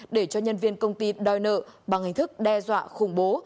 để cho nhân viên công ty đòi nợ bằng hình thức đe dọa khủng bố